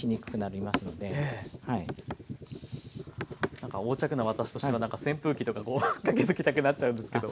なんか横着な私としてはなんか扇風機とかこうかけときたくなっちゃうんですけど。